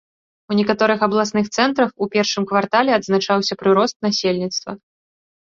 У некаторых абласных цэнтрах у першым квартале адзначаўся прырост насельніцтва.